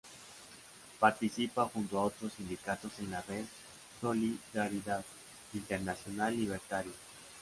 Participa junto a otros sindicatos en la red Solidaridad Internacional Libertaria.